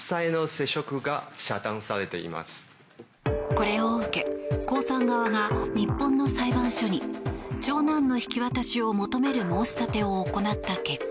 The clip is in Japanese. これを受け、コウさん側が日本の裁判所に長男の引き渡しを求める申し立てを行った結果